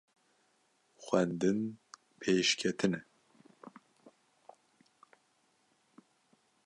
xwendin pêşketin e